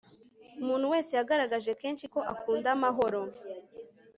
umuntu wese yagaragaje kenshi ko akunda amahoro